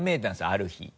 ある日。